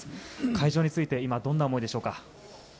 会場に着いて今、どんな思いでしょうか。